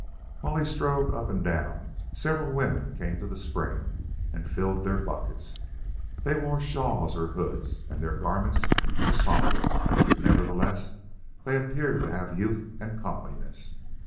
While he strolled up and down several women came to the spring and filled their buckets. They wore shawls or hoods and their garments were somber, but, nevertheless, they appeared to have youth and comeliness.